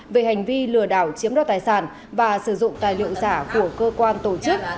về hành vi lừa đảo chiếm đoạt tài sản và sử dụng tài liệu giả của cơ quan tổ chức